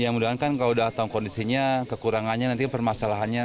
ya mudah mudahan kan kalau udah tahu kondisinya kekurangannya nanti permasalahannya